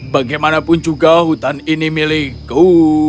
bagaimanapun juga hutan ini milikku